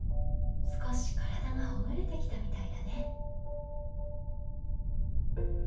少し体がほぐれてきたみたいだね。